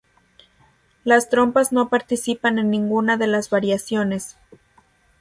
Las trompas no participan en ninguna de las variaciones.